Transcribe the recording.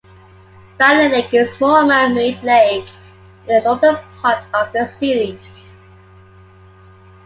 Valley Lake is a small man-made lake in the northern part of the city.